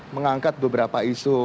mengangkat beberapa isu